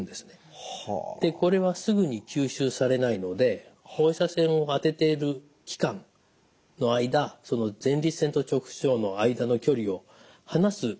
これはすぐに吸収されないので放射線を当てている期間の間前立腺と直腸の間の距離を離す役割があります。